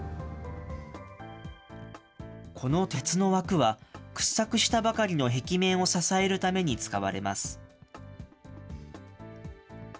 この鉄の枠は、掘削したばかりの壁面を支えるために使われます。